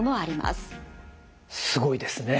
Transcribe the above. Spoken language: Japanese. すごいですね。